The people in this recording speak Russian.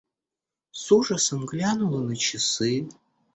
С ужасом глянула на часы.